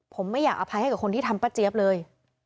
ผมไม่อยากอภัยให้กับคนที่ทำป้าเจี๊ยบเลย